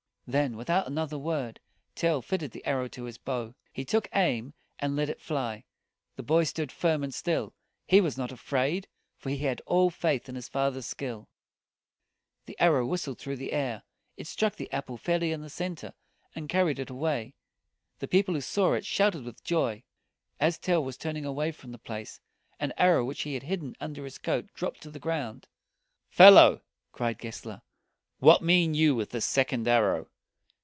Then, without another word, Tell fitted the arrow to his bow. He took aim, and let it fly. The boy stood firm and still. He was not afraid, for he had all faith in his father's skill. The arrow whistled through the air. It struck the apple fairly in the center, and carried it away. The people who saw it shouted with joy. As Tell was turning away from the place, an arrow which he had hidden under his coat dropped to the ground. "Fellow!" cried Gessler, "what mean you with this second arrow?"